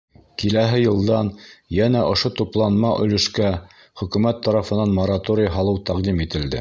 Киләһе йылдан йәнә ошо тупланма өлөшкә Хөкүмәт тарафынан мораторий һалыу тәҡдим ителде.